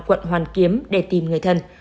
quận hoàn kiếm để tìm người thân